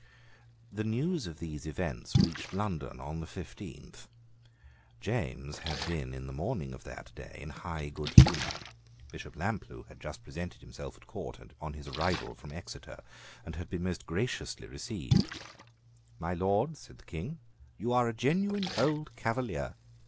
The news of these events reached London on the fifteenth. James had been on the morning of that day in high good humour. Bishop Lamplugh had just presented himself at court on his arrival from Exeter, and had been most graciously received. "My Lord," said the King, "you are a genuine old Cavalier."